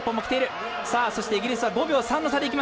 イギリスは５秒３の差。